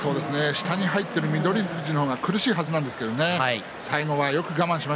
下に入っている翠富士の方が苦しいはずなんです